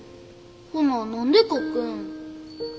ほな何で書くん。